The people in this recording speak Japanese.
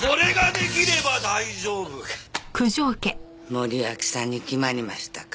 森脇さんに決まりましたか。